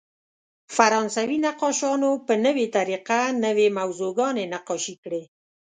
فرانسوي نقاشانو په نوې طریقه نوې موضوعګانې نقاشي کړې.